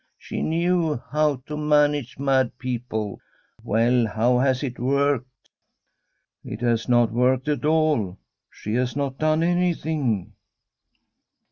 She knew how to manage mad people. Well, how has it worked ?'* It has not worked at all. She has not done anything.'